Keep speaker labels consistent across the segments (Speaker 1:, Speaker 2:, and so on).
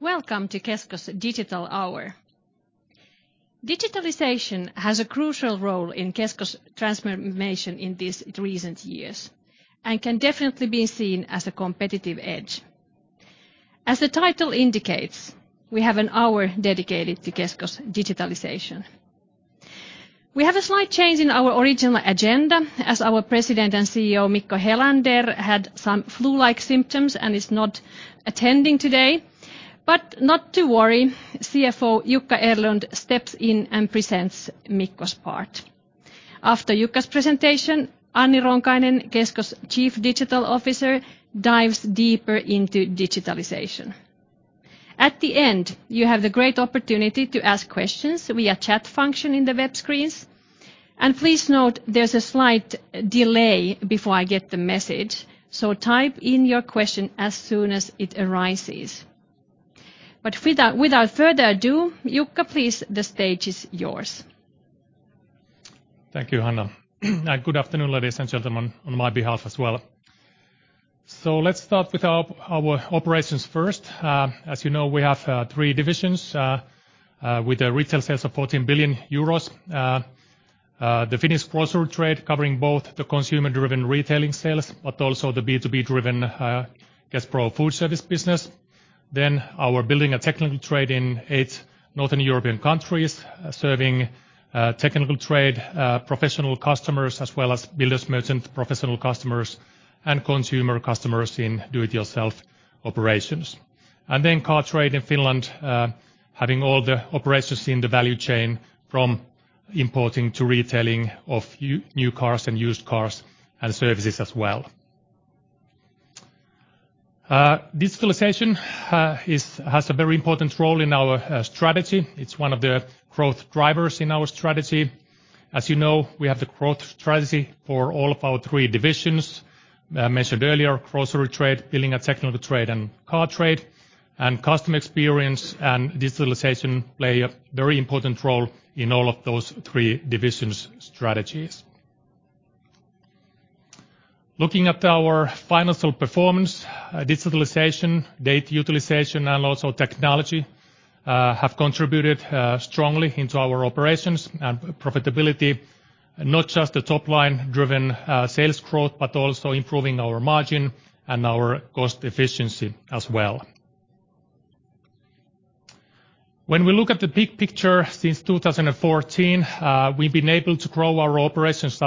Speaker 1: Welcome to Kesko's Digital Hour. Digitalization has a crucial role in Kesko's transformation in these recent years, and can definitely be seen as a competitive edge. As the title indicates, we have an hour dedicated to Kesko's digitalization. We have a slight change in our original agenda as our President and CEO, Mikko Helander, had some flu-like symptoms and is not attending today. Not to worry, CFO Jukka Erlund steps in and presents Mikko's part. After Jukka's presentation, Anni Ronkainen, Kesko's Chief Digital Officer, dives deeper into digitalization. At the end, you have the great opportunity to ask questions via chat function in the web screens. Please note there's a slight delay before I get the message, so type in your question as soon as it arises. Without further ado, Jukka, please, the stage is yours.
Speaker 2: Thank you, Hanna. Good afternoon, ladies and gentlemen, on my behalf as well. Let's start with our operations first. As you know, we have three divisions with the retail sales of 14 billion euros. The Finnish Grocery Trade covering both the consumer-driven retailing sales, but also the B2B-driven Kespro food service business. Our Building and Technical Trade in eight Northern European countries, serving technical trade professional customers, as well as builders merchant professional customers, and consumer customers in do-it-yourself operations. Car Trade in Finland having all the operations in the value chain from importing to retailing of new cars and used cars and services as well. Digitalization has a very important role in our strategy. It's one of the growth drivers in our strategy. As you know, we have the growth strategy for all of our three divisions. I mentioned earlier, Grocery Trade, Building and Technical Trade, and Car Trade. Customer experience and digitalization play a very important role in all of those three divisions' strategies. Looking at our financial performance, digitalization, data utilization, and also technology have contributed strongly into our operations and profitability. Not just the top line driven sales growth but also improving our margin and our cost efficiency as well. When we look at the big picture, since 2014 we've been able to grow our operations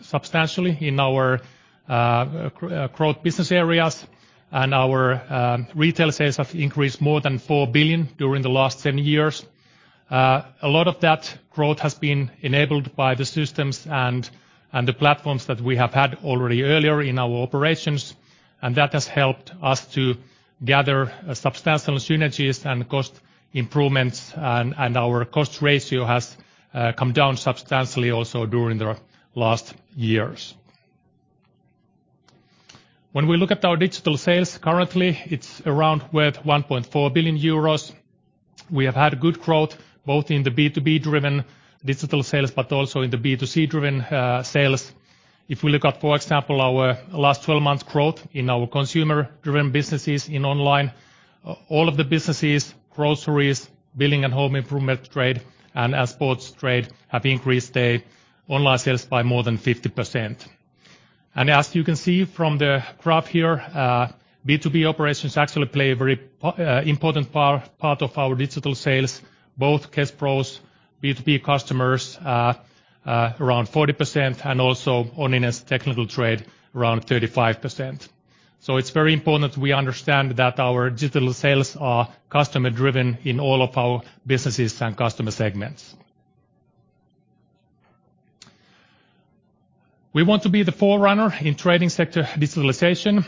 Speaker 2: substantially in our growth business areas, and our retail sales have increased more than 4 billion during the last 10 years. A lot of that growth has been enabled by the systems and the platforms that we have had already earlier in our operations. And that has helped us to gather substantial synergies and cost improvements and our cost ratio has come down substantially also during the last years. When we look at our digital sales, currently it's around worth 1.4 billion euros. We have had good growth both in the B2B-driven digital sales, but also in the B2C-driven sales. If we look at, for example, our last 12 months' growth in our consumer-driven businesses in online, all of the businesses, groceries, building and home improvement trade, and sports trade, have increased their online sales by more than 50%. As you can see from the graph here, B2B operations actually play a very important part of our digital sales, both Kespro's B2B customers around 40%, and also Onninen's Technical Trade around 35%. It's very important we understand that our digital sales are customer driven in all of our businesses and customer segments. We want to be the forerunner in trading sector digitalization,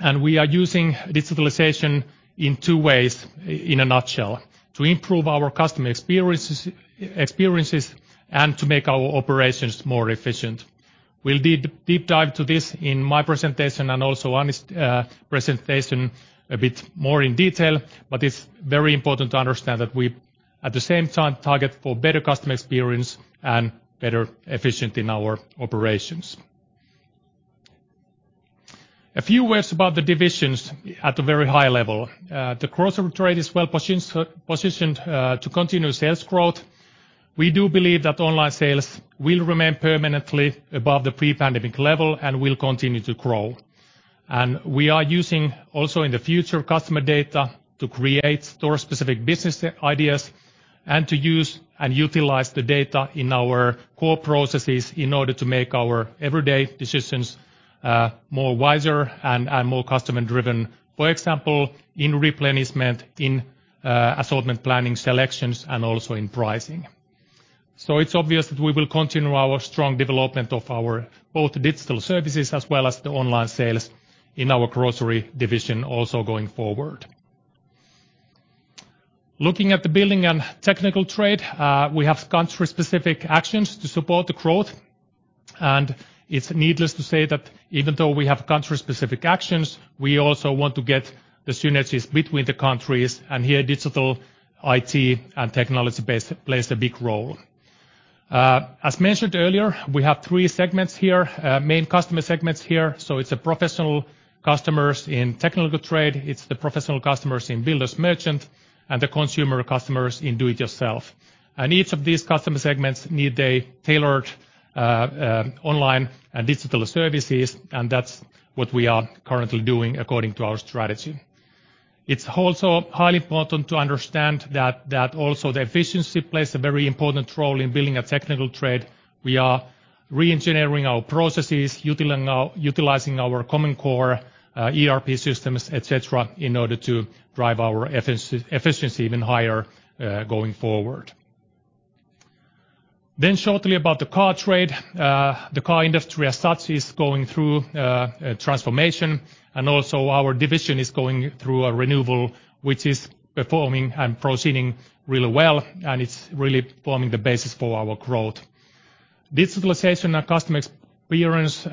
Speaker 2: and we are using digitalization in two ways in a nutshell: to improve our customer experiences, and to make our operations more efficient. We'll do a deep dive to this in my presentation and also Anni's presentation a bit more in detail, but it's very important to understand that we, at the same time, target for better customer experience and better efficiency in our operations. A few words about the divisions at the very high level. The Grocery Trade is well positioned to continue sales growth. We do believe that online sales will remain permanently above the pre-pandemic level and will continue to grow. We are using also, in the future, customer data to create store-specific business ideas and to use and utilize the data in our core processes in order to make our everyday decisions more wiser and more customer driven, for example, in replenishment, in assortment planning selections, and also in pricing. It's obvious that we will continue our strong development of our both digital services as well as the online sales in our Grocery division also going forward. Looking at the Building and Technical Trade, we have country-specific actions to support the growth. It's needless to say that even though we have country-specific actions, we also want to get the synergies between the countries, and here digital IT and technology base plays a big role. As mentioned earlier, we have three segments here, main customer segments here. It's a professional customers in technical trade, it's the professional customers in builders merchant, and the consumer customers in do-it-yourself. Each of these customer segments need a tailored, online and digital services, and that's what we are currently doing according to our strategy. It's also highly important to understand that also the efficiency plays a very important role in building a technical trade. We are re-engineering our processes, utilizing our common core, ERP systems, et cetera, in order to drive our efficiency even higher, going forward. Shortly about the car trade. The car industry as such is going through a transformation. And also our division is going through a renewal which is performing and proceeding really well and it's really forming the basis for our growth. Digitalization and customer experience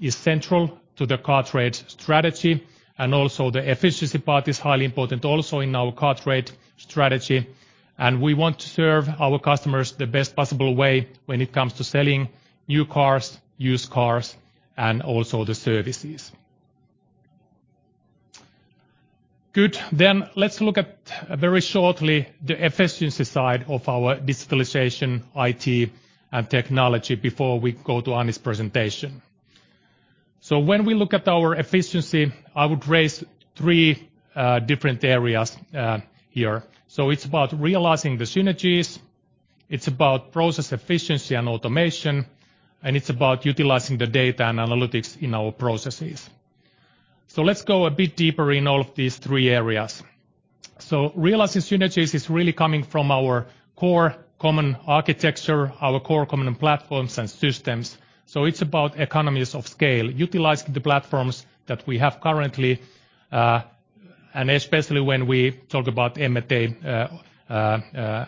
Speaker 2: is central to the car trade strategy and also the efficiency part is highly important also in our car trade strategy. We want to serve our customers the best possible way when it comes to selling new cars, used cars, and also the services. Good. Let's look very shortly at the efficiency side of our digitalization, IT, and technology before we go to Anni's presentation. When we look at our efficiency, I would raise three different areas here. It's about realizing the synergies, it's about process efficiency and automation, and it's about utilizing the data and analytics in our processes. Let's go a bit deeper in all of these three areas. Realizing synergies is really coming from our core common architecture, our core common platforms and systems. It's about economies of scale, utilizing the platforms that we have currently, and especially when we talk about M&A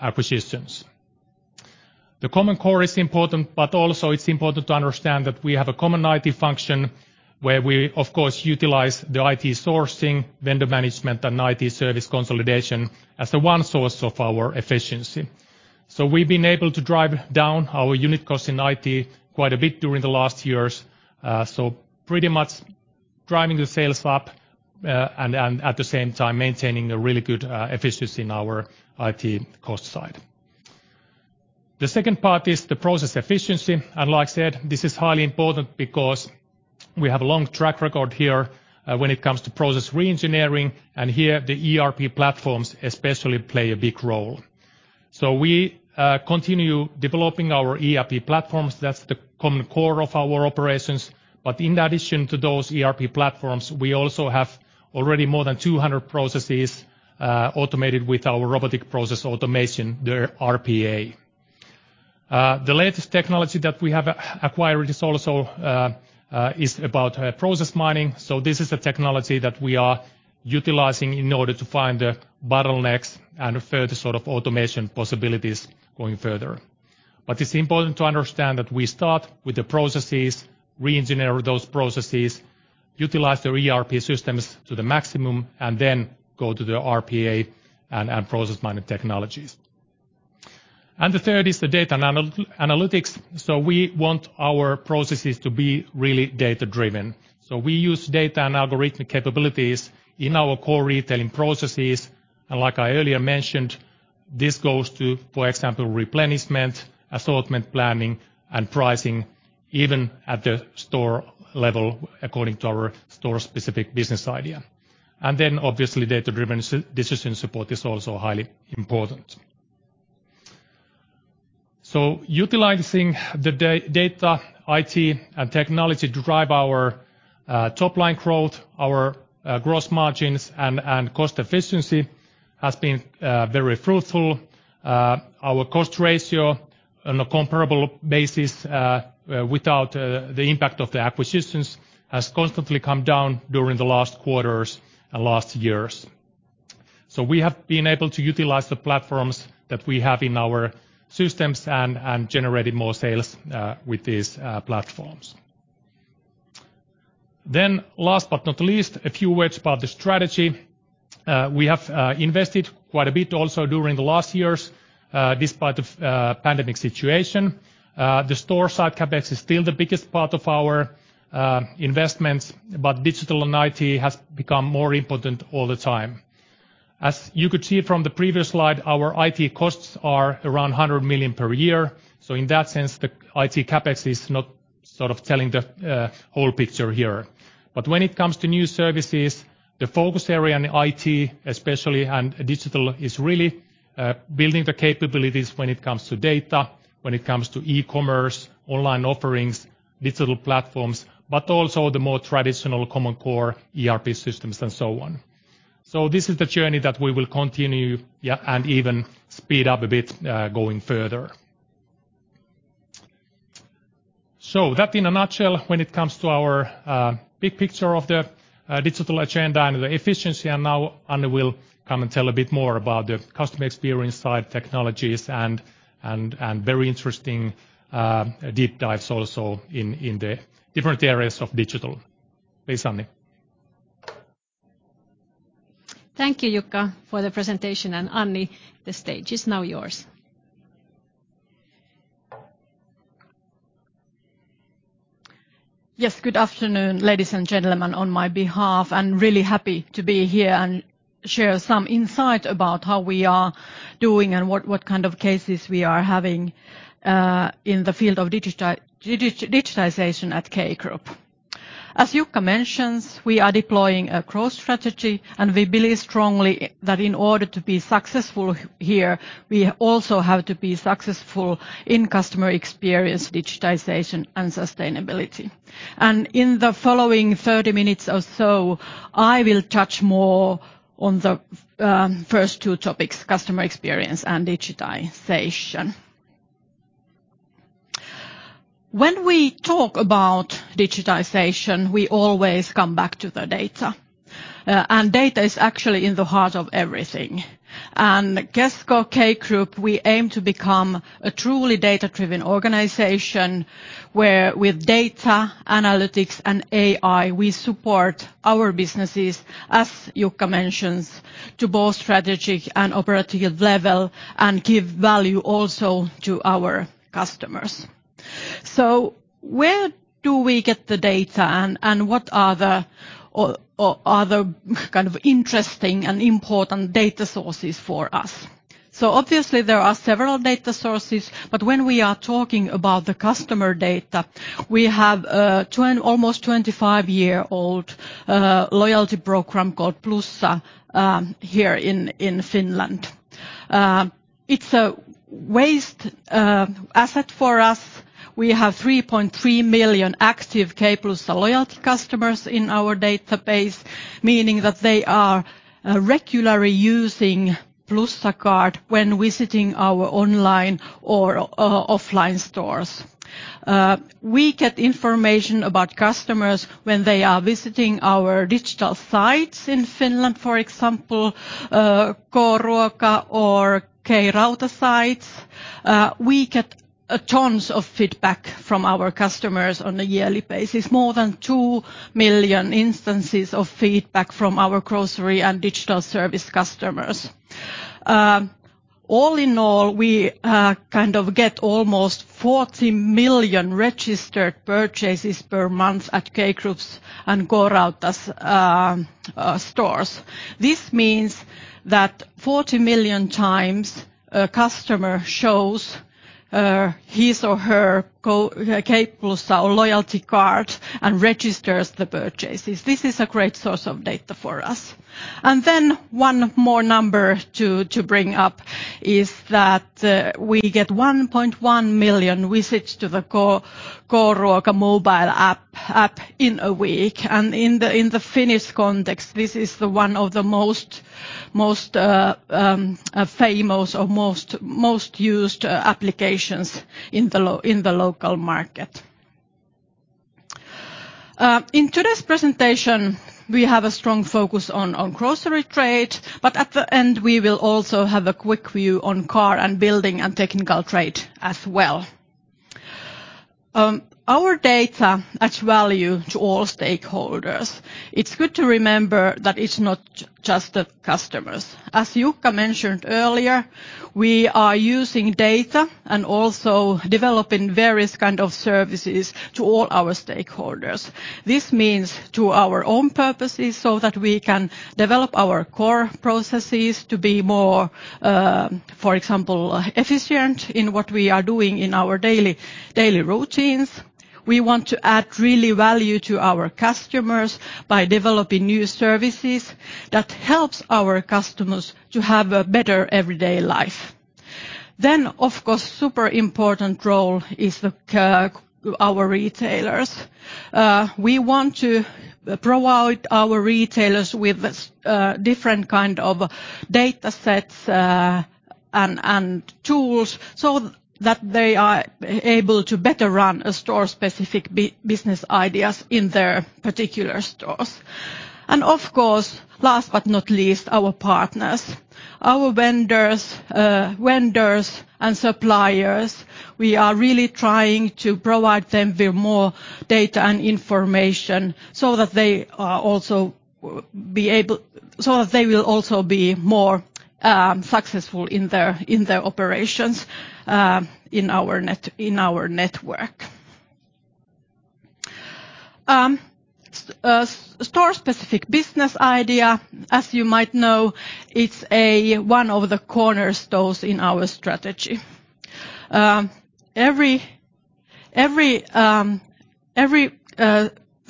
Speaker 2: acquisitions. The common core is important but also it's important to understand that we have a common IT function where we of course utilize the IT sourcing, vendor management, and IT service consolidation as the one source of our efficiency. We've been able to drive down our unit cost in IT quite a bit during the last years, so pretty much driving the sales up, and at the same time maintaining a really good efficiency in our IT cost side. The second part is the process efficiency. Like I said, this is highly important because we have a long track record here when it comes to process re-engineering and here the ERP platforms especially play a big role. We continue developing our ERP platforms that's the common core of our operations. In addition to those ERP platforms, we also have already more than 200 processes automated with our Robotic Process Automation, the RPA. The latest technology that we have acquired is also about process mining, so this is the technology that we are utilizing in order to find the bottlenecks and further sort of automation possibilities going further. It's important to understand that we start with the processes, re-engineer those processes, utilize the ERP systems to the maximum, and then go to the RPA and process mining technologies. The third is the data analytics. We want our processes to be really data-driven. We use data and algorithmic capabilities in our core retailing processes. Like I earlier mentioned, this goes to for example, replenishment, assortment planning, and pricing, even at the store level according to our store-specific business idea. Obviously, data-driven decision support is also highly important. Utilizing the data, IT, and technology to drive our top line growth, our gross margins and cost efficiency has been very fruitful. Our cost ratio on a comparable basis without the impact of the acquisitions has constantly come down during the last quarters and last years. We have been able to utilize the platforms that we have in our systems and generated more sales with these platforms. Last but not least, a few words about the strategy. We have invested quite a bit also during the last years despite the pandemic situation. The store side CapEx is still the biggest part of our investments, but digital and IT has become more important all the time. As you could see from the previous slide, our IT costs are around 100 million per year, so in that sense, the IT CapEx is not sort of telling the whole picture here. When it comes to new services, the focus area in IT especially and digital is really building the capabilities when it comes to data, when it comes to e-commerce, online offerings, digital platforms, but also the more traditional common core ERP systems and so on. This is the journey that we will continue, yeah, and even speed up a bit going further. That in a nutshell, when it comes to our big picture of the digital agenda and the efficiency, and now Anni will come and tell a bit more about the customer experience side, technologies, and very interesting deep dives also in the different areas of digital. Thanks, Anni.
Speaker 1: Thank you, Jukka, for the presentation. Anni, the stage is now yours.
Speaker 3: Yes, good afternoon, ladies and gentlemen, on my behalf. I'm really happy to be here and share some insight about how we are doing and what kind of cases we are having in the field of digitization at K Group. As Jukka mentions, we are deploying a growth strategy and we believe strongly that in order to be successful here we also have to be successful in customer experience, digitization, and sustainability. In the following 30 minutes or so, I will touch more on the first two topics, customer experience and digitization. When we talk about digitization we always come back to the data. Data is actually in the heart of everything. In Kesko, K Group, we aim to become a truly data-driven organization where with data analytics and AI, we support our businesses, as Jukka mentions, to both strategic and operative level and give value also to our customers. Where do we get the data? What are the kind of interesting and important data sources for us? Obviously there are several data sources, but when we are talking about the customer data, we have almost 25-year-old loyalty program called Plussa here in Finland. It's a vast asset for us. We have 3.3 million active K-Plussa loyalty customers in our database, meaning that they are regularly using Plussa card when visiting our online or offline stores. We get information about customers when they are visiting our digital sites in Finland, for example, K-Ruoka or K-Rauta sites. We get tons of feedback from our customers on a yearly basis, more than two million instances of feedback from our grocery and digital service customers. All in all, we kind of get almost 40 million registered purchases per month at K Group's and K-Rauta's stores. This means that 40 million times a customer shows his or her K-Plussa loyalty card and registers the purchases. This is a great source of data for us. One more number to bring up is that we get 1.1 million visits to the K-Ruoka mobile app in a week. In the Finnish context, this is one of the most famous or most used applications in the local market. In today's presentation, we have a strong focus on grocery trade, but at the end, we will also have a quick view on car and building and technical trade as well. Our data adds value to all stakeholders. It's good to remember that it's not just the customers. As Jukka mentioned earlier, we are using data and also developing various kind of services to all our stakeholders. This means to our own purposes so that we can develop our core processes to be more, for example, efficient in what we are doing in our daily routines. We want to add real value to our customers by developing new services that helps our customers to have a better everyday life. Of course, super important role is our retailers. We want to provide our retailers with different kind of data sets and tools so that they are able to better run a store-specific business ideas in their particular stores. Of course, last but not least, our partners. Our vendors and suppliers, we are really trying to provide them with more data and information so that they will also be more successful in their operations in our network. Store-specific business idea, as you might know, it's one of the cornerstones in our strategy. Every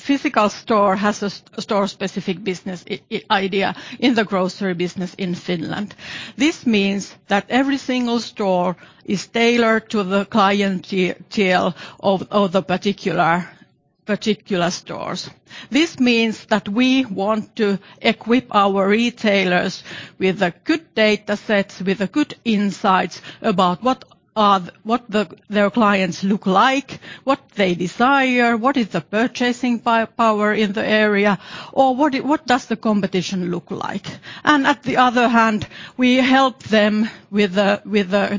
Speaker 3: physical store has a store-specific business idea in the grocery business in Finland. This means that every single store is tailored to the clientele of the particular stores. This means that we want to equip our retailers with good data sets, with good insights about what their clients look like, what they desire, what is the purchasing power in the area, or what does the competition look like. At the other hand, we help them with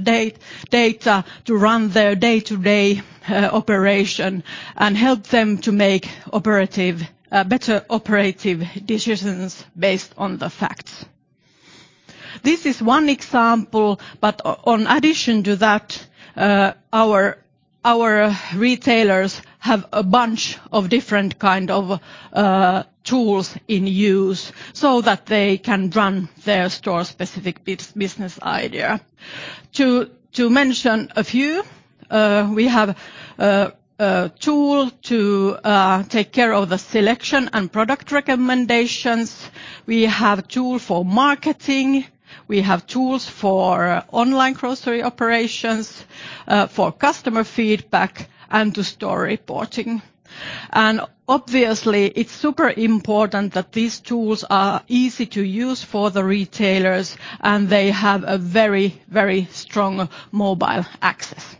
Speaker 3: data to run their day-to-day operation and help them to make better operative decisions based on the facts. This is one example, but in addition to that, our retailers have a bunch of different kind of tools in use so that they can run their store-specific business idea. To mention a few, we have a tool to take care of the selection and product recommendations. We have a tool for marketing, we have tools for online grocery operations, for customer feedback, and to store reporting. Obviously, it's super important that these tools are easy to use for the retailers and they have a very strong mobile access.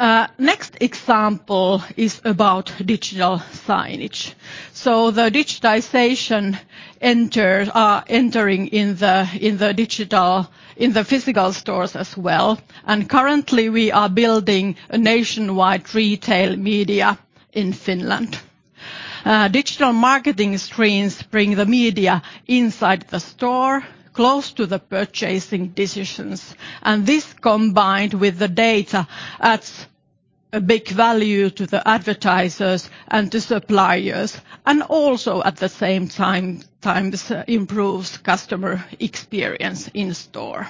Speaker 3: Next example is about digital signage. The digitization are entering in the physical stores as well, and currently we are building a nationwide retail media in Finland. Digital marketing streams bring the media inside the store, close to the purchasing decisions, and this combined with the data adds a big value to the advertisers and to suppliers, and also at the same time this improves customer experience in store.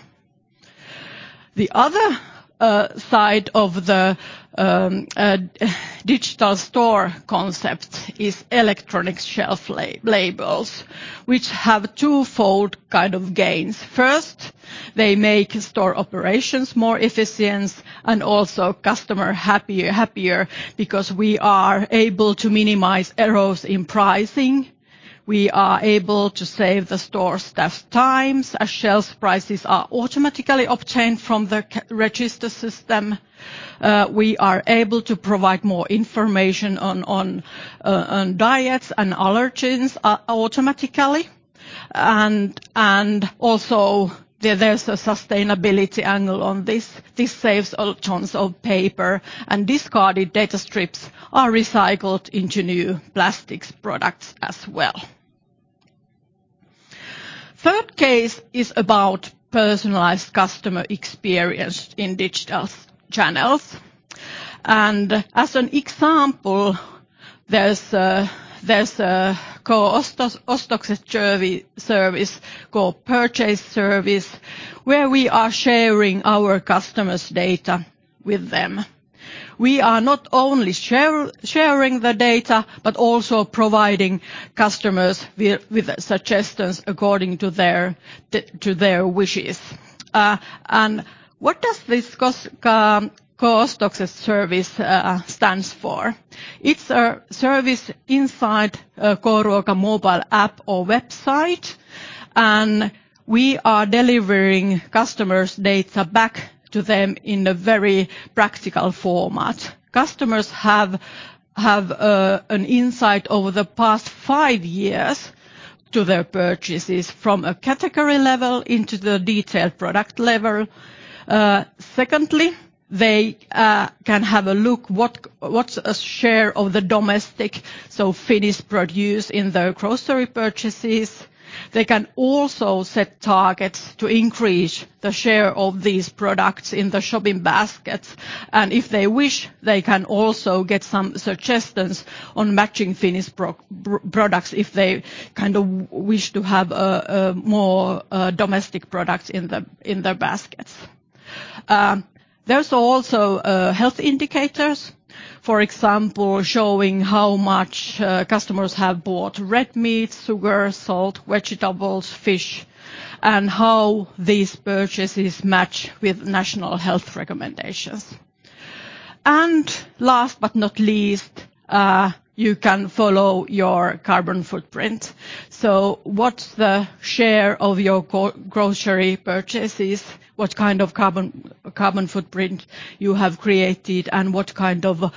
Speaker 3: The other side of the digital store concept is electronic shelf labels, which have twofold kind of gains. First, they make store operations more efficient and also customer happier because we are able to minimize errors in pricing. We are able to save the store staff times as shelves' prices are automatically obtained from the cash-register system. We are able to provide more information on diets and allergens automatically and also there's a sustainability angle on this. This saves tons of paper and discarded data strips are recycled into new plastics products as well. Third case is about personalized customer experience in digital channels. As an example, there's a K-Ostokset service, K-Purchase service, where we are sharing our customers' data with them. We are not only sharing the data but also providing customers with suggestions according to their wishes. What does this K-Ostokset service stands for? It's a service inside a K-Ruoka mobile app or website and we are delivering customers' data back to them in a very practical format. Customers have an insight over the past five years to their purchases from a category level into the detailed product level. Secondly, they can have a look at what's a share of the domestic so Finnish produce in their grocery purchases. They can also set targets to increase the share of these products in the shopping baskets, and if they wish, they can also get some suggestions on matching Finnish products if they kind of wish to have more domestic products in their baskets. There's also health indicators, for example, showing how much customers have bought red meats, sugar, salt, vegetables, fish, and how these purchases match with national health recommendations. Last but not least, you can follow your carbon footprint. What's the share of your grocery purchases? What kind of carbon footprint have you created and what kind of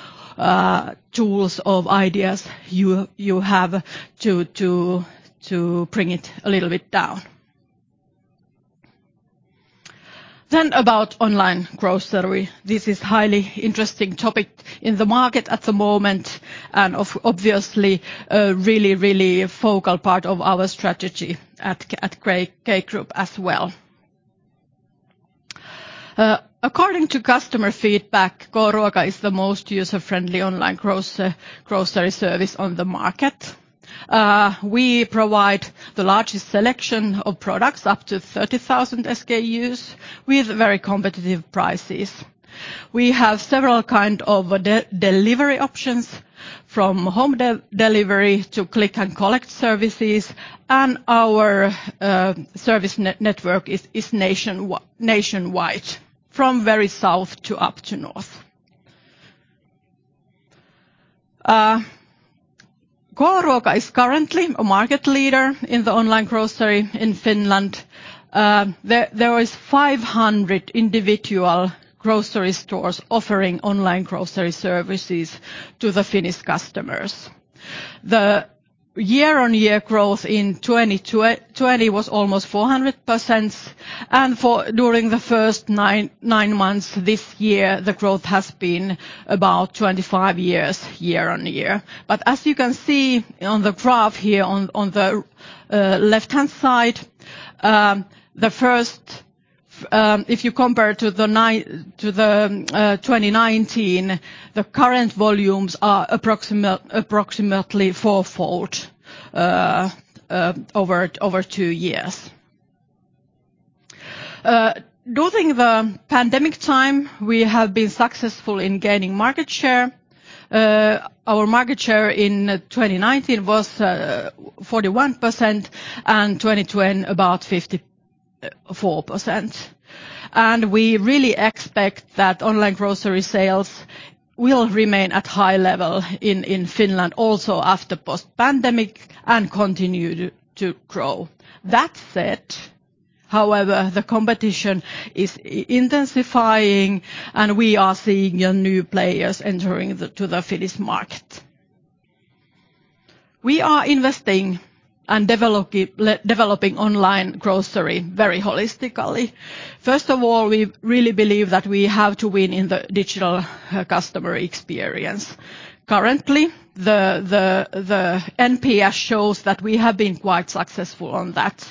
Speaker 3: tools or ideas you have to bring it a little bit down. About online grocery. This is highly interesting topic in the market at the moment and obviously a really focal part of our strategy at K Group as well. According to customer feedback, K-Ruoka is the most user-friendly online grocery service on the market. We provide the largest selection of products, up to 30,000 SKUs, with very competitive prices. We have several kind of delivery options from home delivery to click and collect services. And our service network is nationwide from very south to up to north. K-Ruoka is currently a market leader in the online grocery in Finland. There is 500 individual grocery stores offering online grocery services to the Finnish customers. The year-on-year growth in 2020 was almost 400%. For, during the first nine months this year, the growth has been about 25% year-on-year. As you can see on the graph here on the left-hand side, if you compare to the 2019, the current volumes are approximately fourfold over two years. During the pandemic, we have been successful in gaining market share. Our market share in 2019 was 41%, and 2020 about 54%. We really expect that online grocery sales will remain at high level in Finland also after post-pandemic and continue to grow. That said, however, the competition is intensifying and we are seeing new players entering the Finnish market. We are investing and developing online grocery very holistically. First of all, we really believe that we have to win in the digital customer experience. Currently, the NPS shows that we have been quite successful on that.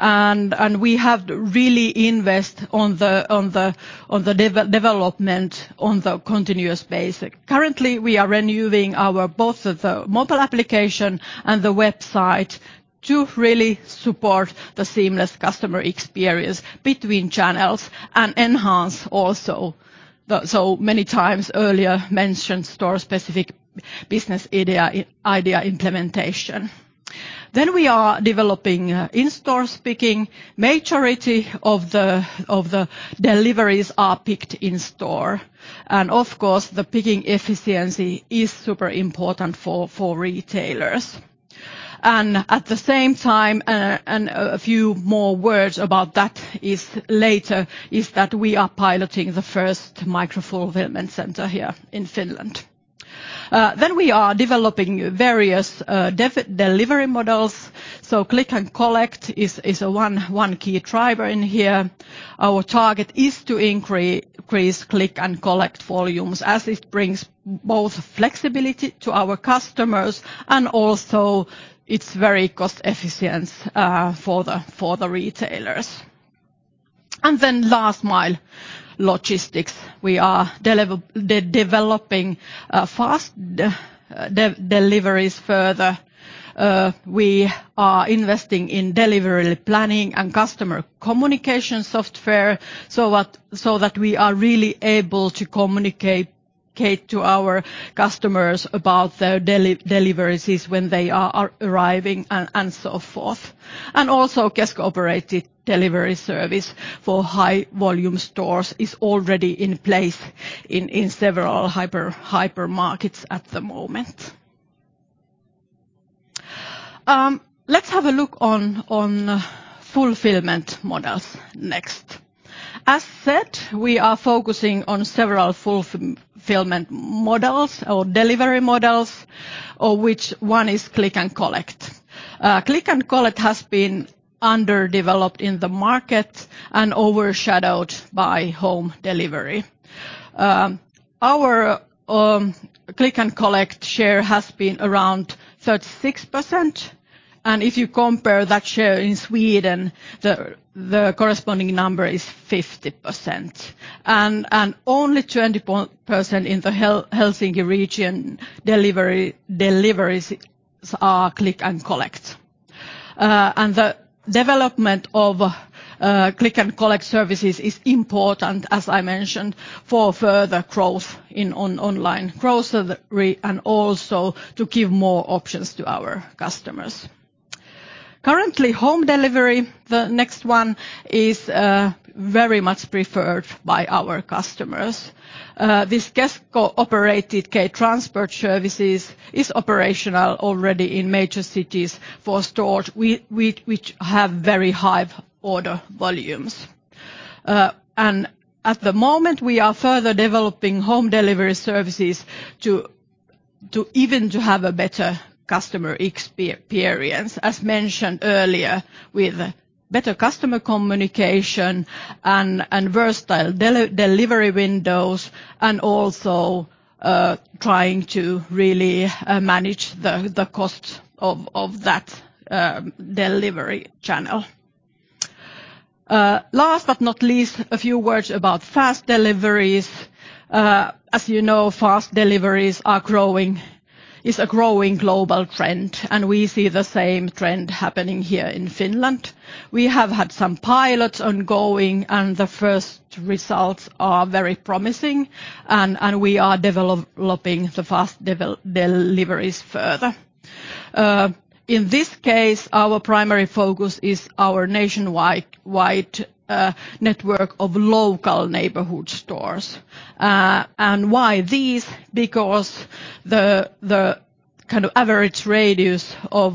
Speaker 3: We have really invested in the development on a continuous basis. Currently, we are renewing both the mobile application and the website to really support the seamless customer experience between channels and enhance also the so many times earlier mentioned store-specific business idea implementation. We are developing in-store picking. Majority of the deliveries are picked in-store. Of course, the picking efficiency is super important for retailers. At the same time a few more words about that later. We are piloting the first micro-fulfillment center here in Finland. We are developing various delivery models. Click and collect is one key driver in here. Our target is to increase click and collect volumes, as it brings both flexibility to our customers, and also it's very cost efficient for the retailers. Last mile logistics. We are developing fast deliveries further. We are investing in delivery planning and customer communication software so that we are really able to communicate to our customers about their deliveries when they are arriving and so forth. Kesko-operated delivery service for high-volume stores is already in place in several hypermarkets at the moment. Let's have a look at fulfillment models next. As said, we are focusing on several fulfillment models or delivery models, or which one is click and collect. Click and collect has been underdeveloped in the market and overshadowed by home delivery. Our click and collect share has been around 36% and if you compare that share in Sweden, the corresponding number is 50%. Only 20% in the Helsinki region delivery, deliveries are click and collect. The development of click and collect services is important, as I mentioned, for further growth in online grocery and also to give more options to our customers. Currently, home delivery, the next one, is very much preferred by our customers. This Kesko-operated K Transport services is operational already in major cities for stores which have very high order volumes. At the moment, we are further developing home delivery services to even have a better customer experience. As mentioned earlier, with better customer communication and versatile delivery windows and also trying to really manage the cost of that delivery channel. Last but not least, a few words about fast deliveries. As you know, fast deliveries is a growing global trend and we see the same trend happening here in Finland. We have had some pilots ongoing and the first results are very promising and we are developing the fast deliveries further. In this case, our primary focus is our nationwide network of local neighborhood stores. Why these? Because the kind of average radius of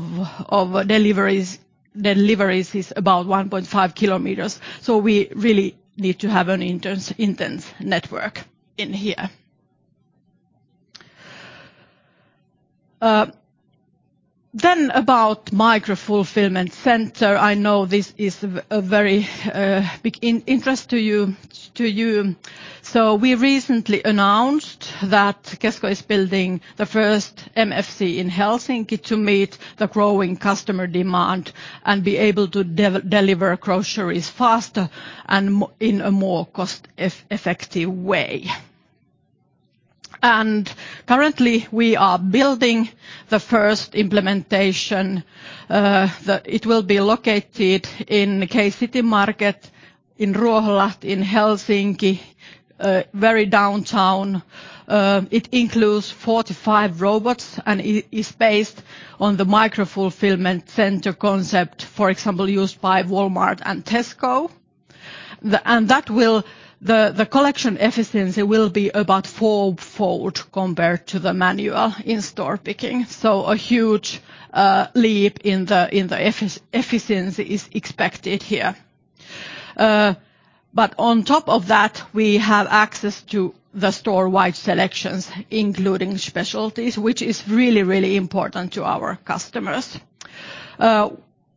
Speaker 3: deliveries is about 1.5 kilometers, we really need to have an intense network in here. Then about micro-fulfillment center. I know this is a very big interest to you. We recently announced that Kesko is building the first MFC in Helsinki to meet the growing customer demand and be able to deliver groceries faster and in a more cost-effective way. Currently we are building the first implementation. It will be located in K-Citymarket in Ruoholahti in Helsinki, very downtown. It includes 45 robots and is based on the micro-fulfillment center concept, for example, used by Walmart and Tesco. The collection efficiency will be about fourfold compared to the manual in-store picking so a huge leap in the efficiency is expected here. But on top of that, we have access to the store-wide selections, including specialties, which is really, really important to our customers.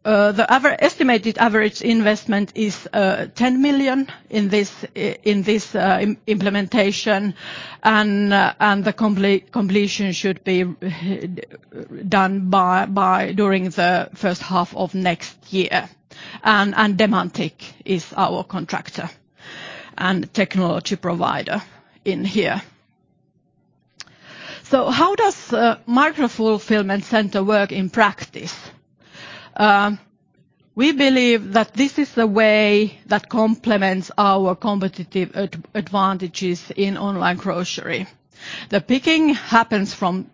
Speaker 3: The estimated average investment is 10 million in this implementation and the completion should be done during the first half of next year. Dematic is our contractor and technology provider here. How does micro-fulfillment center work in practice? We believe that this is the way that complements our competitive advantages in online grocery. The picking happens from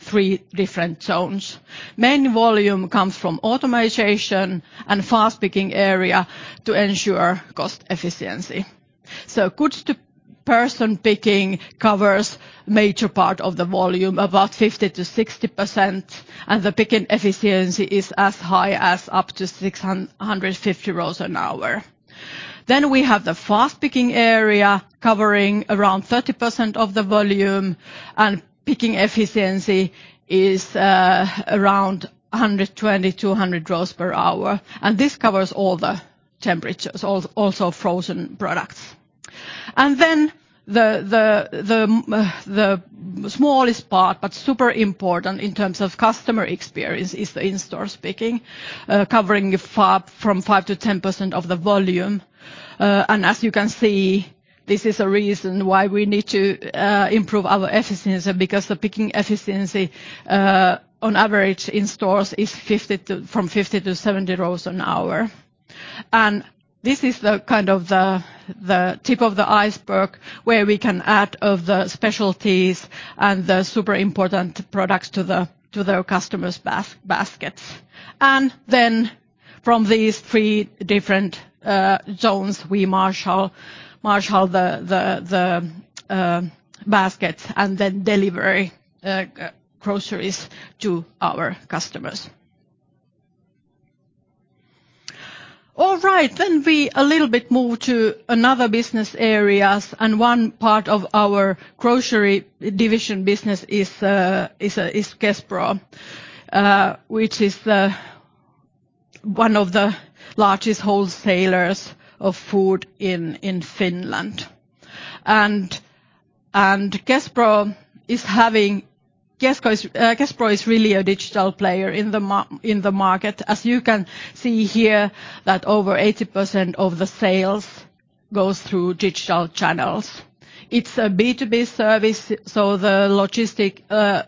Speaker 3: three different zones. Main volume comes from automation and fast picking area to ensure cost efficiency. Goods to person picking covers major part of the volume, about 50%-60%, and the picking efficiency is as high as up to 650 rows an hour. We have the fast picking area covering around 30% of the volume, and picking efficiency is around 120 to 100 rows per hour. This covers all the temperatures, also frozen products. The smallest part but super important in terms of customer experience, is the in-store picking, covering from 5%-10% of the volume. As you can see, this is a reason why we need to improve our efficiency because the picking efficiency on average in stores is from 50 to 70 rows an hour. This is the kind of the tip of the iceberg where we can add the specialties and the super important products to the customers baskets. Then from these three different zones, we marshal the baskets and then deliver groceries to our customers. All right. We a little bit move to another business areas and one part of our grocery division business is Kespro, which is one of the largest wholesalers of food in Finland. Kespro is really a digital player in the market. As you can see here, that over 80% of the sales goes through digital channels. It's a B2B service so the logistic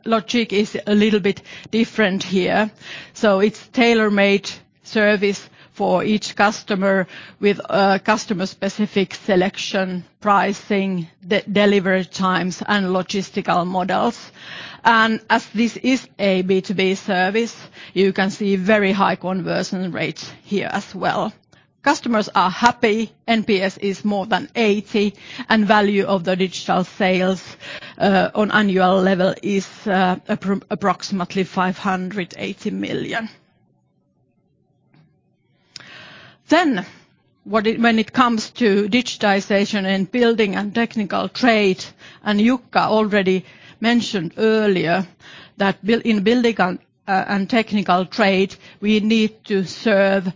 Speaker 3: logic is a little bit different here. It's tailor-made service for each customer with a customer-specific selection, pricing, delivery times, and logistical models. As this is a B2B service, you can see very high conversion rates here as well. Customers are happy. NPS is more than 80 and value of the digital sales on annual level is approximately EUR 580 million. When it comes to digitization and building and technical trade, Jukka already mentioned earlier that in building and technical trade, we need to serve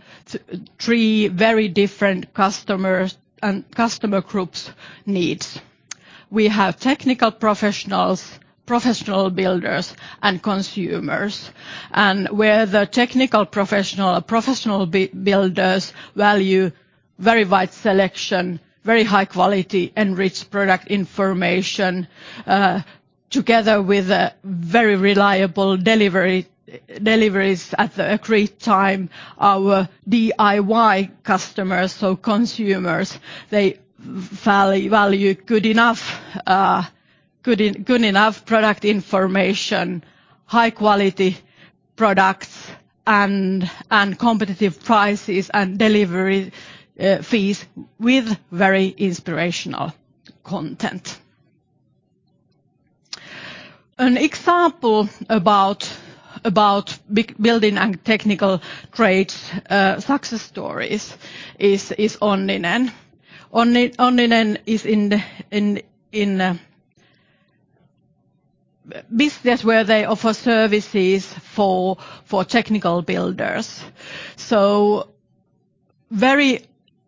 Speaker 3: three very different customers and customer groups' needs. We have technical professionals, professional builders, and consumers. Where the technical professionals, professional builders value very wide selection, very high quality, and rich product information, together with very reliable deliveries at the agreed time. Our DIY customers or consumers, they value good enough product information, high quality products, and competitive prices and delivery fees with very inspirational content. An example about building and technical trades success stories is Onninen. Onninen is in the business where they offer services for technical builders. So very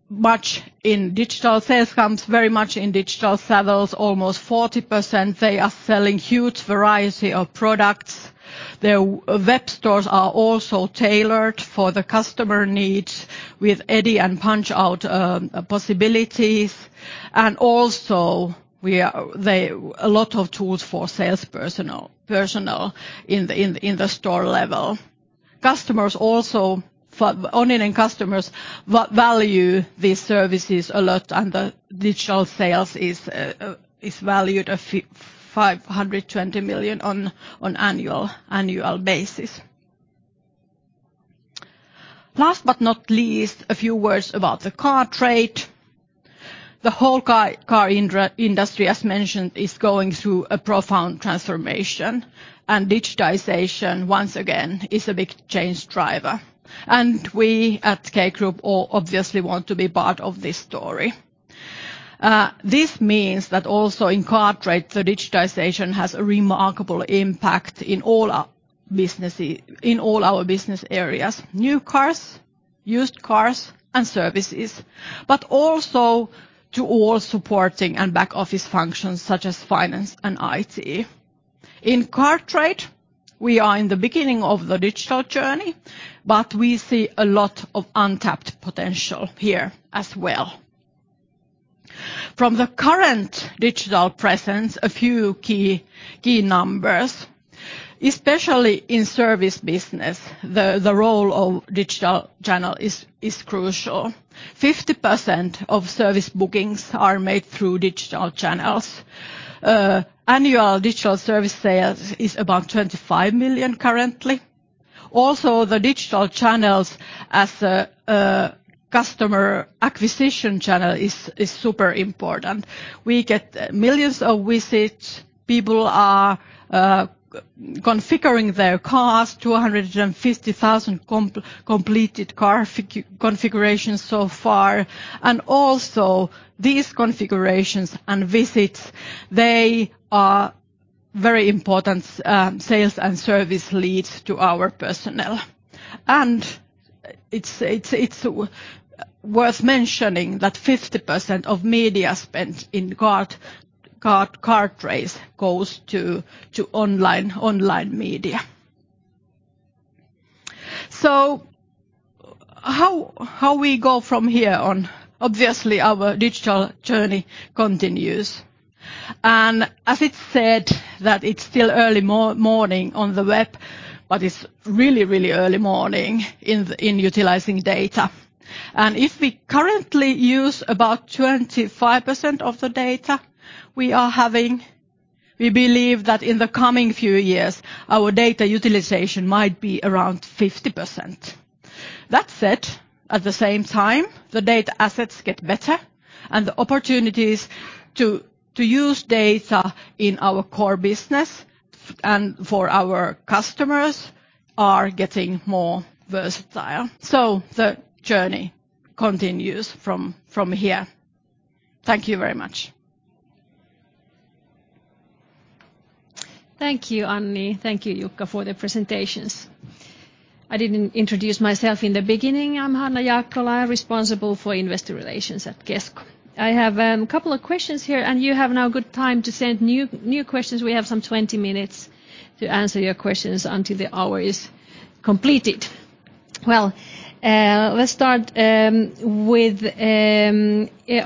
Speaker 3: much in digital sales comes very much in digital sales, almost 40%. They are selling huge variety of products. Their web stores are also tailored for the customer needs with EDI and PunchOut possibilities. Also they have a lot of tools for sales personnel in the store level. Onninen customers value these services a lot and the digital sales is valued at 520 million on annual basis. Last but not least, a few words about the car trade. The whole car industry, as mentioned, is going through a profound transformation, and digitization, once again, is a big change driver. We at K Group all obviously want to be part of this story. This means that also in car trade, the digitization has a remarkable impact in all our business areas, new cars, used cars, and services, but also to all supporting and back office functions such as finance and IT. In car trade, we are in the beginning of the digital journey but we see a lot of untapped potential here as well. From the current digital presence, a few key numbers, especially in service business, the role of digital channel is crucial. 50% of service bookings are made through digital channels. Annual digital service sales is about 25 million currently. Also, the digital channels as a customer acquisition channel is super important. We get millions of visits. People are configuring their cars, 250,000 completed car configurations so far. Also these configurations and visits, they are very important sales and service leads to our personnel. It's worth mentioning that 50% of media spent in car trades goes to online media. How we go from here on? Obviously, our digital journey continues. And as it's said that it's still early morning on the web but it's really early morning in utilizing data. If we currently use about 25% of the data we are having, we believe that in the coming few years, our data utilization might be around 50%. That said, at the same time, the data assets get better and the opportunities to use data in our core business for our customers are getting more versatile. The journey continues from here. Thank you very much.
Speaker 1: Thank you, Anni. Thank you, Jukka, for the presentations. I didn't introduce myself in the beginning. I'm Hanna Jaakkola, responsible for Investor Relations at Kesko. I have couple of questions here and you have now good time to send new questions. We have some 20 minutes to answer your questions until the hour is completed. Well, let's start with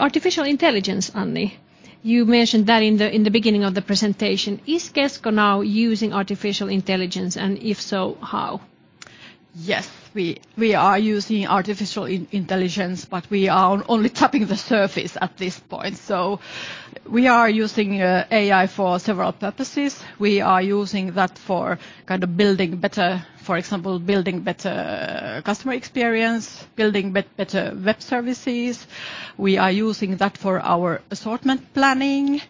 Speaker 1: artificial intelligence, Anni. You mentioned that in the beginning of the presentation. Is Kesko now using artificial intelligence, and if so, how?
Speaker 3: Yes. We are using artificial intelligence but we are only tapping the surface at this point. We are using AI for several purposes. We are using that for kind of building better, for example, building better customer experience, building better web services. We are using that for our assortment planning.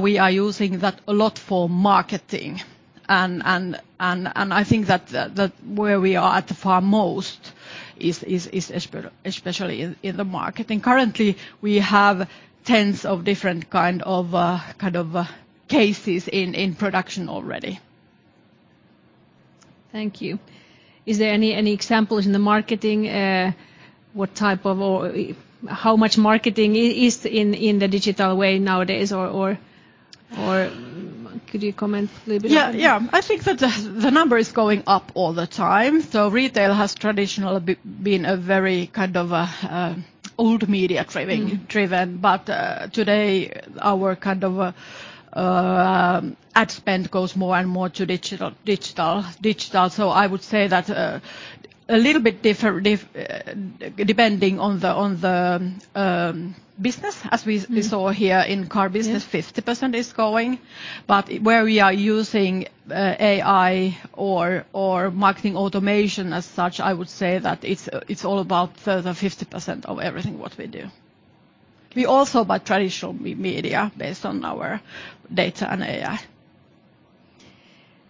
Speaker 3: We are using that a lot for marketing and I think that where we are at the foremost is especially in the marketing. Currently, we have tens of different kinds of cases in production already.
Speaker 1: Thank you. Is there any examples in the marketing? What type of or how much marketing is in the digital way nowadays or could you comment a little bit on that?
Speaker 3: Yeah. I think that the number is going up all the time. Retail has traditionally been a very kind of old media
Speaker 1: Mm-hmm
Speaker 3: ...driven but today our kind of ad spend goes more and more to digital. I would say that a little bit different depending on the business. As we
Speaker 1: Mm-hmm
Speaker 3: ...saw here in car business.
Speaker 1: Yeah
Speaker 3: 50% is going where we are using AI or marketing automation as such. I would say that it's all about further 50% of everything what we do. We also buy traditional media based on our data and AI.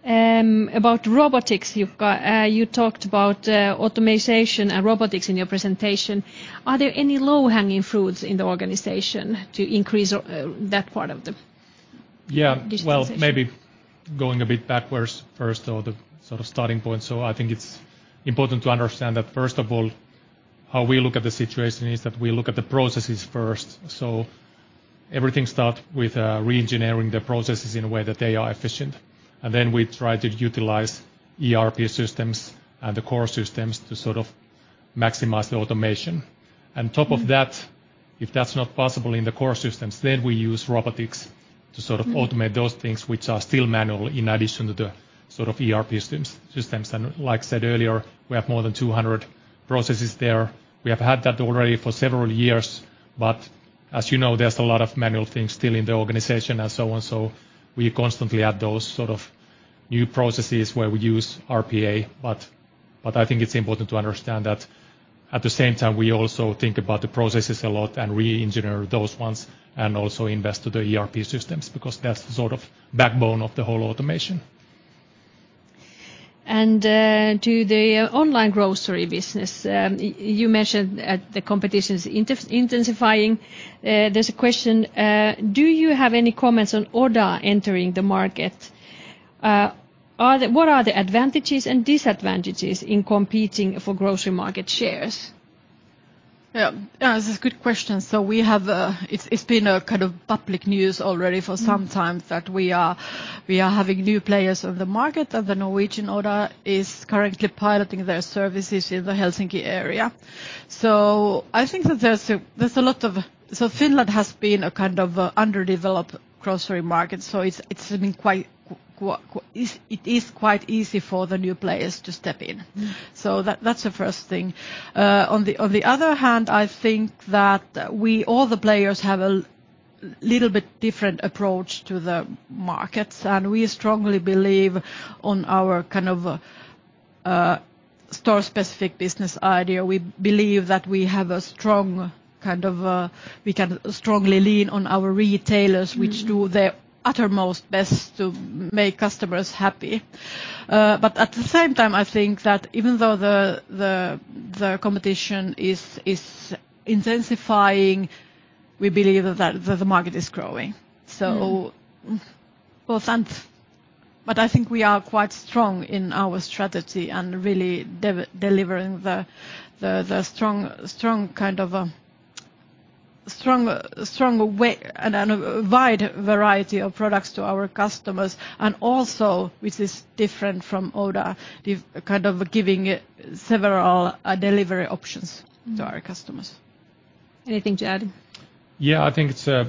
Speaker 1: About robotics, Jukka, you talked about optimization and robotics in your presentation. Are there any low-hanging fruits in the organization to increase that part of the-
Speaker 2: Yeah.
Speaker 1: digitalization?
Speaker 2: Well, maybe going a bit backwards first or the sort of starting point. I think it's important to understand that first of all, how we look at the situation is that we look at the processes first. Everything start with re-engineering the processes in a way that they are efficient. Then we try to utilize ERP systems and the core systems to sort of maximize the automation.
Speaker 1: Mm.
Speaker 2: On top of that, if that's not possible in the core systems, then we use robotics to sort of
Speaker 1: Mm
Speaker 2: automate those things which are still manual in addition to the sort of ERP systems. Like I said earlier, we have more than 200 processes there. We have had that already for several years but as you know, there's a lot of manual things still in the organization and so on, so we constantly add those sort of new processes where we use RPA. But I think it's important to understand that at the same time we also think about the processes a lot and re-engineer those ones and also invest in the ERP systems because that's the sort of backbone of the whole automation.
Speaker 1: To the online grocery business, you mentioned the competition is intensifying. There's a question, do you have any comments on Oda entering the market? What are the advantages and disadvantages in competing for grocery market shares?
Speaker 3: Yeah. Yeah. This is good question. We have. It's been a kind of public news already for sometime that we are having new players on the market and the Norwegian Oda is currently piloting their services in the Helsinki area. Finland has been a kind of underdeveloped grocery market so it's been quite quiet. It is quite easy for the new players to step in.
Speaker 1: Mm.
Speaker 3: That's the first thing. On the other hand, I think that we all the players have a little bit different approach to the markets, and we strongly believe on our kind of store-specific business idea. We believe that we have a strong kind of. We can strongly lean on our retailers.
Speaker 1: Mm...
Speaker 3: which do their uttermost best to make customers happy. At the same time, I think that even though the competition is intensifying, we believe that the market is growing.
Speaker 1: Mm.
Speaker 3: Well, I think we are quite strong in our strategy and really delivering the strong kind of strong way and a wide variety of products to our customers and also, which is different from Oda, we've kind of giving several delivery options.
Speaker 1: Mm
Speaker 3: to our customers.
Speaker 1: Anything to add?
Speaker 2: Yeah. I think it's a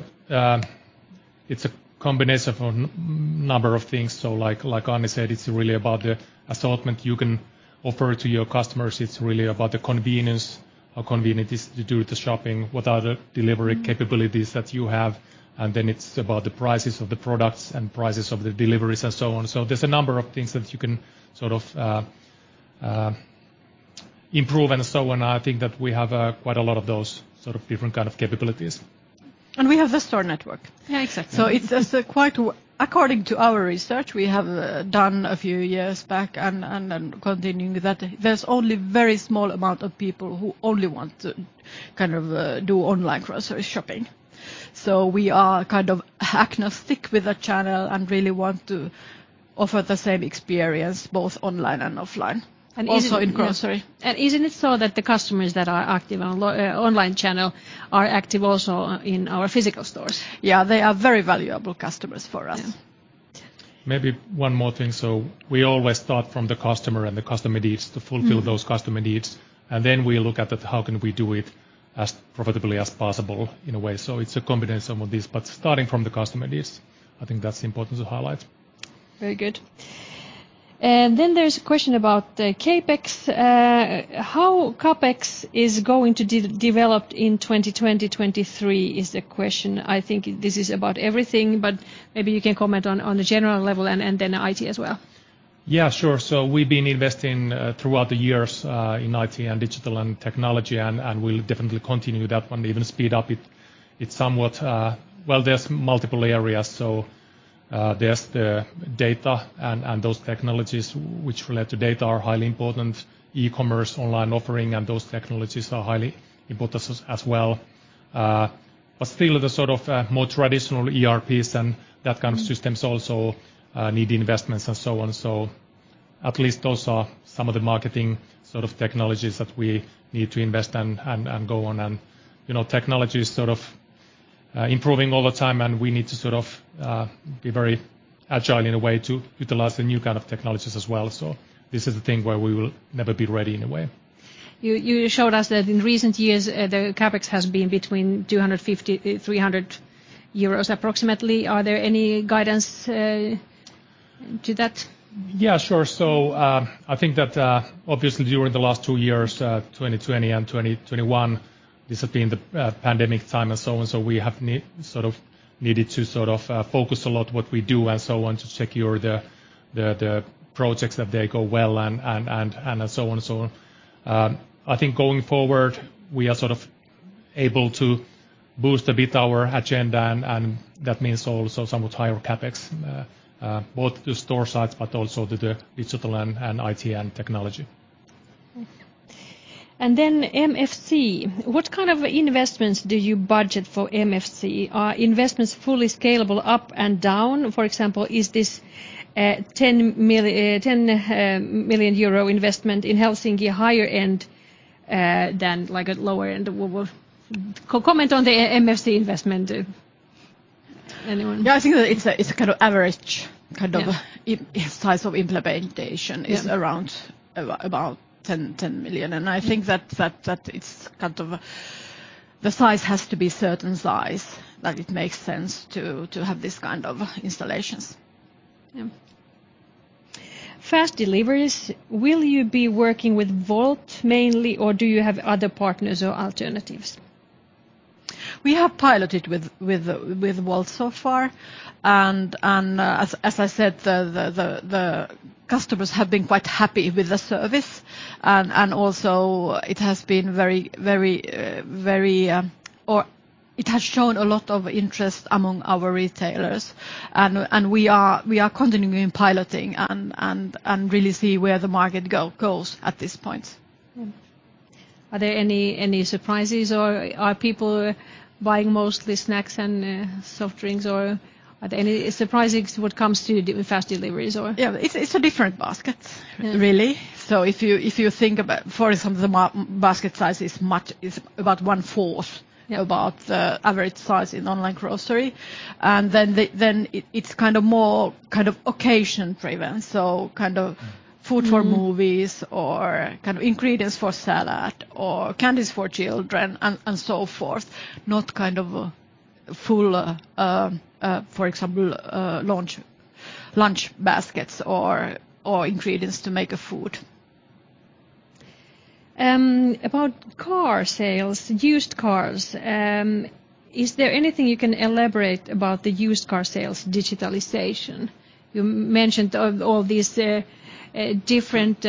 Speaker 2: combination of a number of things. Like Anni said, it's really about the assortment you can offer to your customers. It's really about the convenience to do the shopping, what are the delivery capabilities that you have, and then it's about the prices of the products and prices of the deliveries and so on. There's a number of things that you can sort of improve and so on. I think that we have quite a lot of those sort of different kind of capabilities.
Speaker 3: We have the store network.
Speaker 1: Yeah, exactly.
Speaker 3: It's quite. According to our research we have done a few years back and continuing with that, there's only very small amount of people who only want to kind of do online grocery shopping. We are kind of agnostic with the channel and really want to offer the same experience both online and offline.
Speaker 1: Isn't it?
Speaker 3: Also in grocery.
Speaker 1: Isn't it so that the customers that are active on online channel are active also in our physical stores?
Speaker 3: Yeah. They are very valuable customers for us.
Speaker 1: Yeah.
Speaker 2: Maybe one more thing. We always start from the customer and the customer needs to fulfill.
Speaker 1: Mm...
Speaker 2: those customer needs, and then we look at how can we do it as profitably as possible in a way. It's a combination of these but starting from the customer needs. I think that's important to highlight.
Speaker 1: Very good. There's a question about the CapEx. How CapEx is going to develop in 2023 is the question. I think this is about everything but maybe you can comment on a general level and then IT as well.
Speaker 2: Yeah, sure. We've been investing throughout the years in IT and digital and technology and we'll definitely continue that one, even speed up it. It's somewhat. Well, there's multiple areas. There's the data and those technologies which relate to data are highly important. E-commerce, online offering, and those technologies are highly important as well. Still the sort of more traditional ERPs and that kind of systems also need investments and so on. At least those are some of the marketing sort of technologies that we need to invest and go on. You know, technology is sort of improving all the time and we need to sort of be very agile in a way to utilize the new kind of technologies as well. This is the thing where we will never be ready in a way.
Speaker 1: You showed us that in recent years the CapEx has been between 250 and 300 euros approximately. Are there any guidance to that?
Speaker 2: Yeah, sure. I think that obviously during the last two years, 2020 and 2021, this has been the pandemic time and so on, so we have sort of needed to sort of focus a lot what we do and so on to secure the projects that they go well and so on. I think going forward, we are sort of able to boost a bit our agenda and that means also somewhat higher CapEx both the store sides but also the digital and IT and technology.
Speaker 1: And then MFC. What kind of investments do you budget for MFC? Are investments fully scalable up and down? For example, is this 10 million euro investment in Helsinki higher end than like a lower end? Comment on the MFC investment, anyone.
Speaker 3: Yeah, I think that it's a kind of average kind of
Speaker 1: Yeah
Speaker 3: size of implementation
Speaker 1: Yeah...
Speaker 3: is around about 10 million. I think that it's kind of the size has to be certain size that it makes sense to have this kind of installations.
Speaker 1: Yeah. Fast deliveries, will you be working with Wolt mainly or do you have other partners or alternatives?
Speaker 3: We have piloted with Wolt so far. As I said, the customers have been quite happy with the service. Also, it has shown a lot of interest among our retailers. We are continuing piloting and really see where the market goes at this point.
Speaker 1: Are there any surprises or are people buying mostly snacks and soft drinks, or are there any surprises what comes to the fast deliveries or?
Speaker 3: Yeah. It's a different baskets.
Speaker 1: Really?
Speaker 3: If you think about, for instance, the basket size is much about 1/4, yeah, about average size in online grocery. It's kind of more kind of occasion-driven, so kind of food for movies or kind of ingredients for salad or candies for children and so forth, not kind of full, for example, lunch baskets or ingredients to make a food.
Speaker 1: About car sales, used cars, is there anything you can elaborate about the used car sales digitalization? You mentioned all these different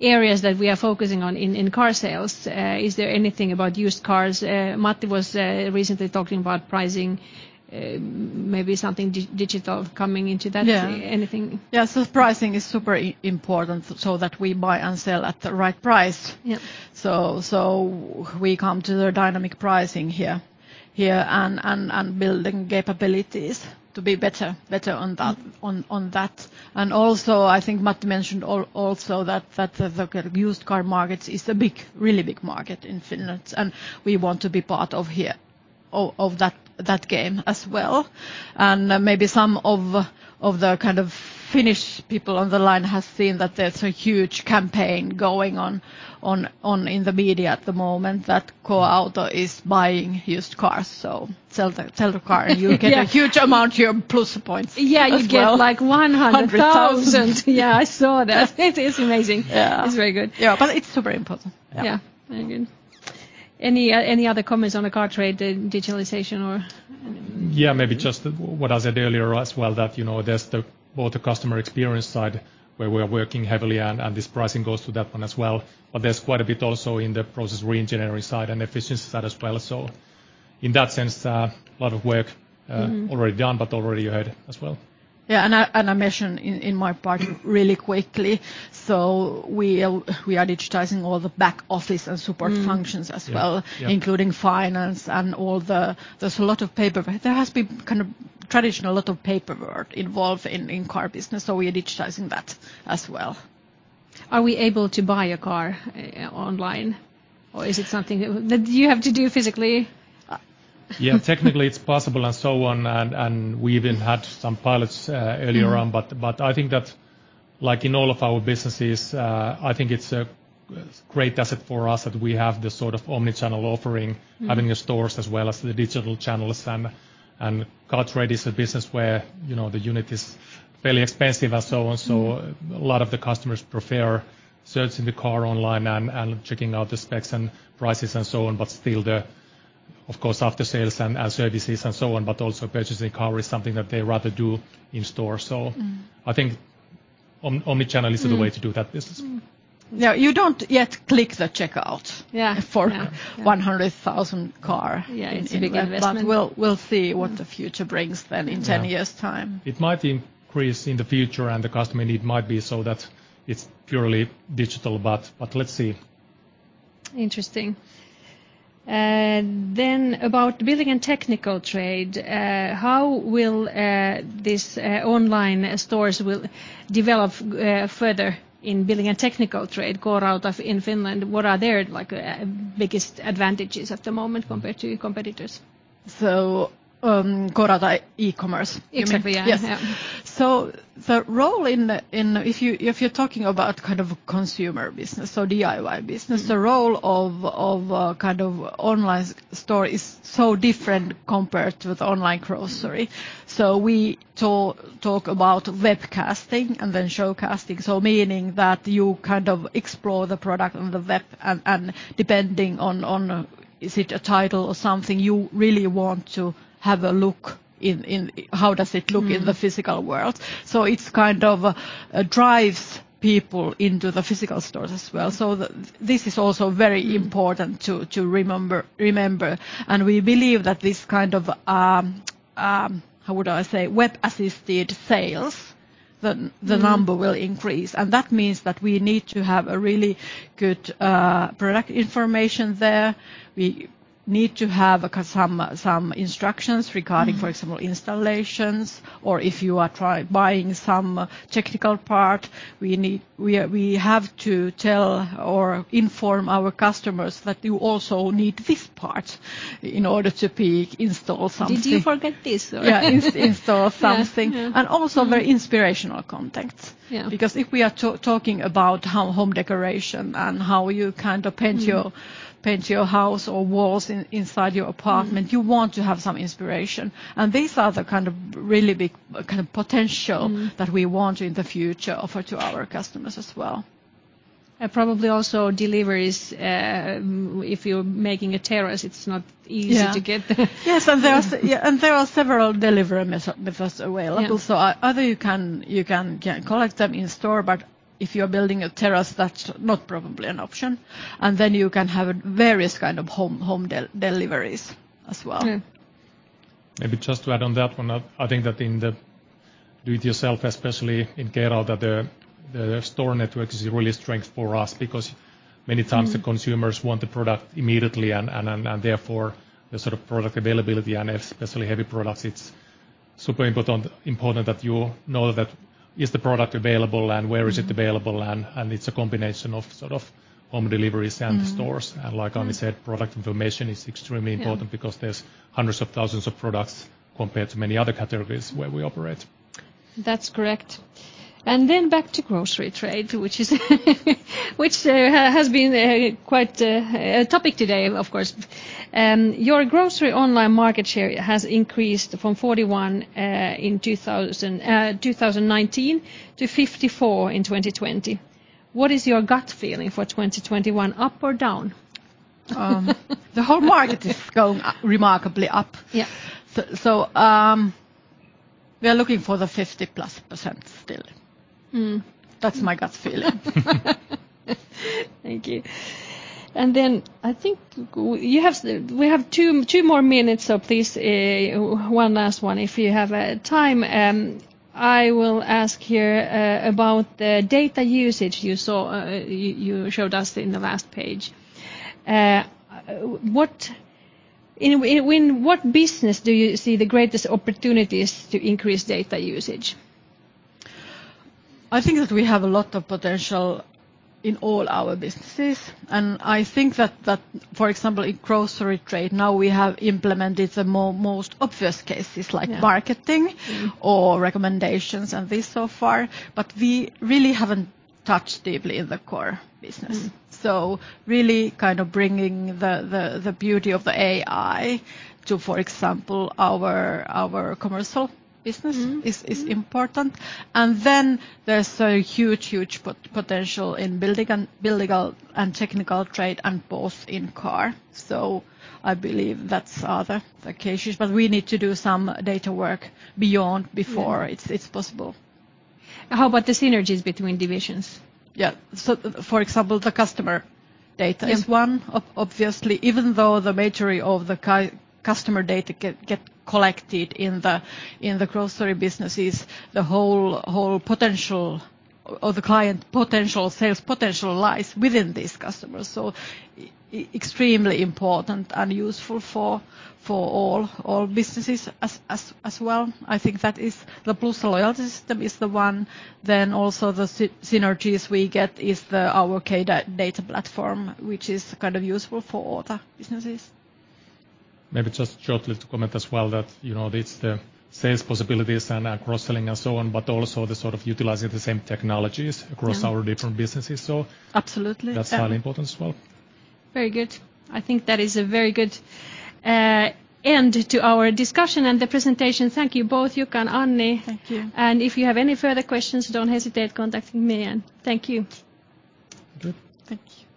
Speaker 1: areas that we are focusing on in car sales. Is there anything about used cars? Matti was recently talking about pricing, maybe something digital coming into that.
Speaker 3: Yeah.
Speaker 1: Anything?
Speaker 3: Yeah. Pricing is super important so that we buy and sell at the right price.
Speaker 1: Yeah.
Speaker 3: So we come to the dynamic pricing here and building capabilities to be better on that. Also, I think Matti mentioned also that the used car market is a really big market in Finland, and we want to be part of that game as well. Maybe some of the kind of Finnish people on the line has seen that there's a huge campaign going on in the media at the moment that K-Auto is buying used cars, so sell the car and you'll get a huge amount here Plussa points as well.
Speaker 1: Yeah. You get like 100
Speaker 3: 100,000
Speaker 1: thousand. Yeah, I saw that. It is amazing.
Speaker 3: Yeah.
Speaker 1: It's very good.
Speaker 3: Yeah. It's super important. Yeah.
Speaker 1: Yeah. Very good. Any other comments on the car trade digitalization or?
Speaker 2: Yeah. Maybe just what I said earlier as well, that, you know, there's the whole customer experience side where we are working heavily and this pricing goes to that one as well. But there's quite a bit also in the process reengineering side and efficiency side as well. In that sense, a lot of work.
Speaker 1: Mm-hmm
Speaker 2: Already done but already ahead as well.
Speaker 3: Yeah, I mentioned in my part really quickly, so we are digitizing all the back office and support functions.
Speaker 1: Mm.
Speaker 3: as well.
Speaker 2: Yeah
Speaker 3: including finance and all the. There's a lot of paper. There has been kind of traditional lot of paperwork involved in car business so we are digitizing that as well.
Speaker 1: Are we able to buy a car online? Or is it something that you have to do physically?
Speaker 2: Yeah. Technically it's possible and so on, and we even had some pilots earlier on. I think that like in all of our businesses, I think it's a great asset for us that we have this sort of omnichannel offering.
Speaker 1: Mm...
Speaker 2: having the stores as well as the digital channels. Car trade is a business where, you know, the unit is fairly expensive and so on. So a lot of the customers prefer searching the car online and checking out the specs and prices and so on, but still, of course, after sales and services and so on but also purchasing a car is something that they rather do in store. So I think omnichannel is.
Speaker 1: Mm
Speaker 2: the way to do that business.
Speaker 1: Mm.
Speaker 3: Yeah, you don't yet click the checkout.
Speaker 1: Yeah....
Speaker 3: for
Speaker 1: Yeah. Yeah...
Speaker 3: 100,000 cars in Finland.
Speaker 1: Yeah, it's a big investment.
Speaker 3: We'll see what the future brings then in 10 years' time.
Speaker 2: It might increase in the future and the customer need might be so that it's purely digital but let's see.
Speaker 1: Interesting. About building and technical trade, how will this online stores will develop further in building and technical trade K-Rauta in Finland? What are their, like, biggest advantages at the moment compared to your competitors?
Speaker 3: K-Rauta e-commerce?
Speaker 1: Exactly, yeah.
Speaker 3: Yes. If you're talking about kind of consumer business or DIY business.
Speaker 1: Mm
Speaker 3: The role of kind of online store is so different compared to the online grocery. We talk about webcasting and then show casting, meaning that you kind of explore the product on the web, and depending on, is it a tile or something, you really want to have a look in how does it look.
Speaker 1: Mm.
Speaker 3: in the physical world? It's kind of drives people into the physical stores as well. This is also very important to remember. We believe that this kind of, how would I say, web-assisted sales the number will increase. That means that we need to have a really good product information there. We need to have, like, some instructions regarding. For example, installations or if you are buying some technical part we have to tell or inform our customers that you also need this part in order to install something.
Speaker 1: Did you forget this or?
Speaker 3: Yeah, install something.
Speaker 1: Yeah. Yeah.
Speaker 3: also very inspirational contents.
Speaker 1: Yeah.
Speaker 3: Because if we are talking about how home decoration and how you kind of paint your
Speaker 1: Mm.
Speaker 3: Paint your house or walls inside your apartment.
Speaker 1: Mm.
Speaker 3: You want to have some inspiration. These are the kind of really big kind of potential.
Speaker 1: Mm.
Speaker 3: that we want in the future offer to our customers as well.
Speaker 1: Probably also deliveries, if you're making a terrace it's not easy.
Speaker 3: Yeah.
Speaker 1: to get there.
Speaker 3: Yes. There are several delivery methods available.
Speaker 1: Yeah.
Speaker 3: Either you can collect them in store but if you're building a terrace that's probably not an option. You can have various kind of home deliveries as well.
Speaker 1: Yeah.
Speaker 2: Maybe just to add on that one, I think that in the do it yourself, especially in K-Rauta the store network is really a strength for us because many times the consumers want the product immediately and therefore the sort of product availability and especially heavy products. It's super important that you know that is the product available and where is it available. And it's a combination of sort of home deliveries and the stores.
Speaker 1: Mm-hmm.
Speaker 2: Like Anni said, product information is extremely important.
Speaker 1: Yeah.
Speaker 2: because there's hundreds of thousands of products compared to many other categories where we operate.
Speaker 1: That's correct. Back to grocery trade which has been quite a topic today, of course. Your grocery online market share has increased from 41 in 2019 to 54 in 2020. What is your gut feeling for 2021, up or down?
Speaker 3: The whole market is going up, remarkably up.
Speaker 1: Yeah.
Speaker 3: We are looking for the 50%+ still.
Speaker 1: Mm.
Speaker 3: That's my gut feeling.
Speaker 1: Thank you. Then I think we have two more minutes of this, one last one if you have time. I will ask here about the data usage you showed us in the last page. In what business do you see the greatest opportunities to increase data usage?
Speaker 3: I think that we have a lot of potential in all our businesses and I think that, for example, in grocery trade now we have implemented the most obvious cases.
Speaker 1: Yeah.
Speaker 3: like marketing.
Speaker 1: Mm-hmm.
Speaker 3: Recommendations and this so far, but we really haven't touched deeply in the core business.
Speaker 1: Mm.
Speaker 3: Really kind of bringing the beauty of the AI to, for example, our commercial business.
Speaker 1: Mm-hmm.
Speaker 3: This is important. Then there's a huge potential in building and technical trade and both in car. I believe that's other like cases. We need to do some data work beyond before.
Speaker 1: Mm.
Speaker 3: It's possible.
Speaker 1: How about the synergies between divisions?
Speaker 3: Yeah. For example, the customer data is one obviously. Even though the majority of the customer data get collected in the grocery businesses, the whole potential or the client potential sales, potential lies within these customers. Extremely important and useful for all businesses as well. I think that is the Plussa loyalty system is the one. Also the synergies we get is our K Data platform, which is kind of useful for other businesses.
Speaker 2: Maybe just shortly to comment as well that, you know, it's the sales possibilities and our cross-selling and so on but also the sort of utilizing the same technologies.
Speaker 1: Yeah.
Speaker 2: Across our different businesses, so.
Speaker 3: Absolutely.
Speaker 2: That's highly important as well.
Speaker 1: Very good. I think that is a very good end to our discussion and the presentation. Thank you both, Jukka and Anni.
Speaker 3: Thank you.
Speaker 1: If you have any further questions, don't hesitate contacting me and thank you.
Speaker 2: Okay.
Speaker 3: Thank you.